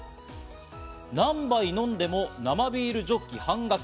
何杯飲んでも生ビールジョッキ半額！